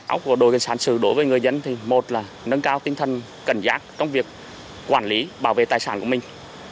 áo của đội cân sản sự đối với người dân thì một là nâng cao tinh thần cảnh giác trong việc quản lý bảo vệ tài sản của mình